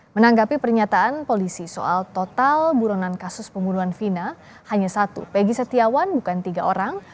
menanggapi pernyataan polisi soal total buronan kasus pembunuhan vina hanya satu pegi setiawan bukan tiga orang